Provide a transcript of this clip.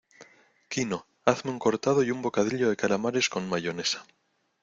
Quino, hazme un cortado y un bocadillo de calamares con mayonesa.